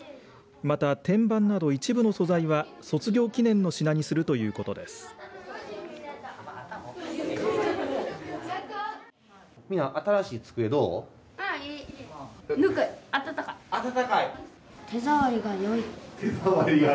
また、天板など一部の素材は卒業記念の品にするということです。